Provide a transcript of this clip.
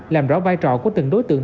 làm rõ vai trò của từng đối tượng